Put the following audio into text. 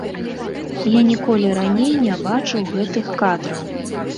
Я ніколі раней не бачыў гэтых кадраў.